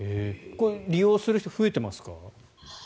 利用する人増えていますか？